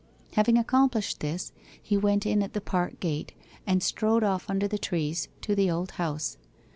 Having accomplished this, he went in at the park gate, and strode off under the trees to the Old House.